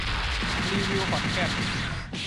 รีวิวขอนแก่น